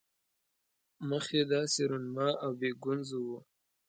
مخ یې داسې رونما او بې ګونځو وو.